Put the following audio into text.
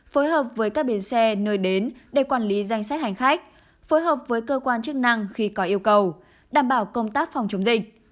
phối hợp với các bến xe nơi đến để quản lý danh sách hành khách phối hợp với cơ quan chức năng khi có yêu cầu đảm bảo công tác phòng chống dịch